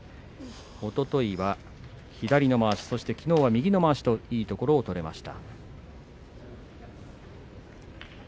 おとといは左のまわし、そしてきのうは右のまわしといいところを取りました。